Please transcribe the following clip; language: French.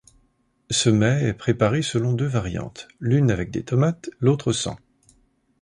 Ce mets est préparé selon deux variantes, l'une avec des tomates, l'autre sans.